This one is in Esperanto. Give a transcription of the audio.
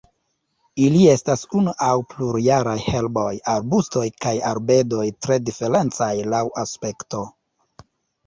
Ili estas unu aŭ plurjaraj herboj, arbustoj kaj arbedoj tre diferencaj laŭ aspekto.